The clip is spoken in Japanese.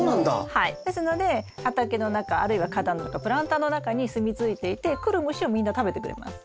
はいですので畑の中あるいは花壇の中プランターの中にすみついていて来る虫をみんな食べてくれます。